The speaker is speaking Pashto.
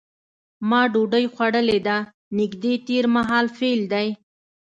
ما ډوډۍ خوړلې ده نږدې تېر مهال فعل دی.